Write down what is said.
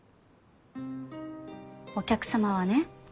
お客様はね